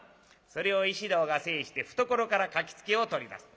それを石堂が制して懐から書きつけを取り出す。